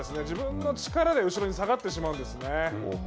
自分の力で後ろに下がってしまうんですね。